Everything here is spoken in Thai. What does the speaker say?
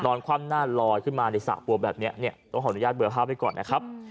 นอนคว่ำหน้ารอยขึ้นมาในสระพั่วแบบนี้ต้องขออนุญาตเบื่อพร้าวไปก่อนนะครับ